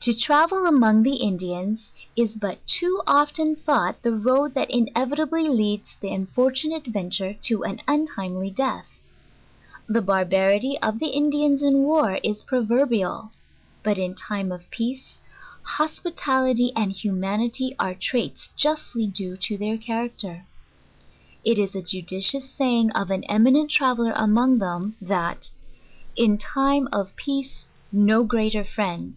To travel among the Indians, is but to often thought the road that inevitably leads the unfortunate adventurer to an untimely death. The barbarity oj'the Indians in war is pro verbial; but in^time of peace, hospitality and humanity are traits justly due to their character. It is a judicious saying of an eminent traveller arptngthem, that, "in time of peace no greater friend?